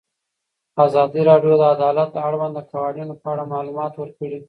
ازادي راډیو د عدالت د اړونده قوانینو په اړه معلومات ورکړي.